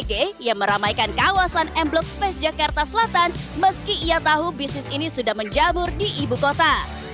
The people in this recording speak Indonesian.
sebagai yang meramaikan kawasan m block space jakarta selatan meski ia tahu bisnis ini sudah menjamur di ibu kota